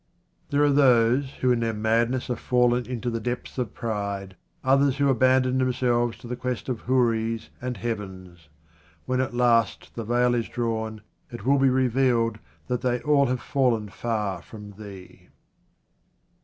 There are those who in their madness are fallen into the depths of pride, others who abandon themselves to the quest of houris and 54 QUATRAINS OF OMAR KHAYYAM heavens. When at last the veil is drawn it will be revealed that they all have fallen far from Thee.